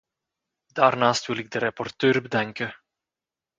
Daarnaast wil ik de rapporteur bedanken.